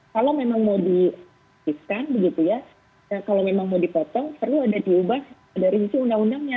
kalau memang mau dipotong perlu ada diubah dari isi undang undangnya